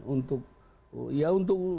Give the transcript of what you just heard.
untuk mengungkapkan pandangan pandangan